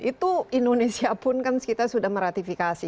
itu indonesia pun kan kita sudah meratifikasi